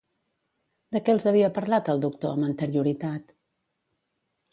De què els havia parlat el doctor amb anterioritat?